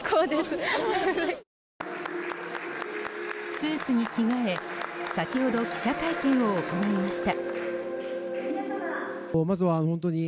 スーツに着替え、先ほど記者会見を行いました。